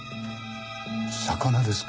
魚ですか？